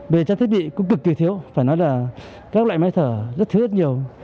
về trang thiết bị cũng cực kỳ thiếu phải nói là các loại máy thở rất thiếu rất nhiều